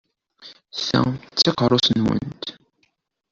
Ta d takeṛṛust-nwent?